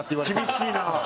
厳しいな。